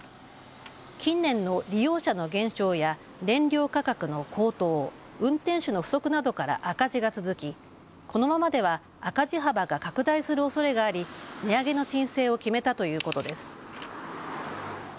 近年の利用者の減少や燃料価格の高騰、運転手の不足などから赤字が続きこのままでは赤字幅が拡大するおそれがあり値上げの申請を決めたということです。